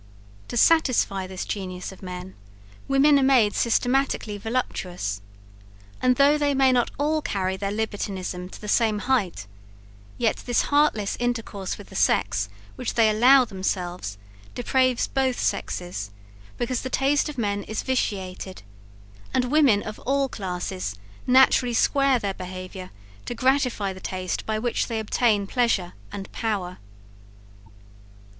To satisfy this genius of men, women are made systematically voluptuous, and though they may not all carry their libertinism to the same height, yet this heartless intercourse with the sex, which they allow themselves, depraves both sexes, because the taste of men is vitiated; and women, of all classes, naturally square their behaviour to gratify the taste by which they obtain pleasure and power.